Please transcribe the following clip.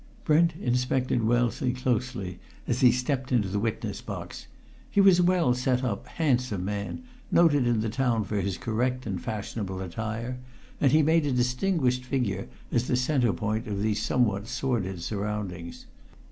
Brent inspected Wellesley closely as he stepped into the witness box. He was a well set up, handsome man, noted in the town for his correct and fashionable attire, and he made a distinguished figure as the centre point of these somewhat sordid surroundings.